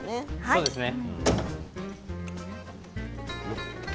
そうですね。